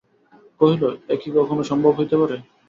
কহিল, এ কি কখনো সম্ভব হইতে পারে?